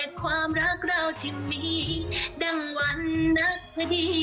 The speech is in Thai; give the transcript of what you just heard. ขอบคุณค่ะขอบคุณนะคะกว้าว